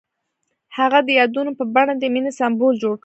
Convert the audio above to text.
هغه د یادونه په بڼه د مینې سمبول جوړ کړ.